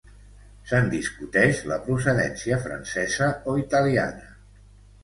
se'n discuteix la procedència francesa o italiana